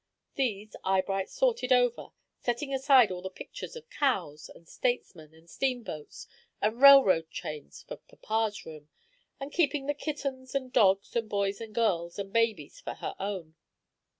These Eyebright sorted over, setting aside all the pictures of cows, and statesmen, and steamboats, and railroad trains for papa's room, and keeping the kittens, and dogs, and boys, and girls, and babies for her own.